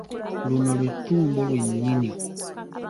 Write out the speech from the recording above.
Luno lwetumbo lwennyini.